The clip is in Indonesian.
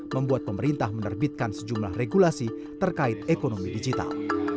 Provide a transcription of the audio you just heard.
membuat pemerintah menerbitkan sejumlah regulasi terkait ekonomi digital